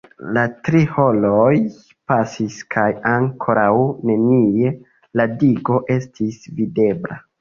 La tri horoj pasis kaj ankoraŭ nenie "la digo" estis videbla.